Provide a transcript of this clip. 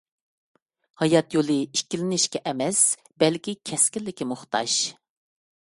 ھايات يولى ئىككىلىنىشكە ئەمەس، بەلكى كەسكىنلىككە موھتاج!